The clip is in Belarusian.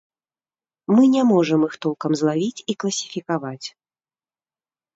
Мы не можам іх толкам злавіць і класіфікаваць.